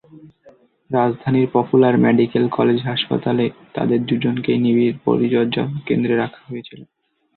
রাজধানীর popular medical college হাসপাতালে তাদের দুজনকেই নিবিড় পরিচর্যা কেন্দ্রে রাখা হয়েছিল।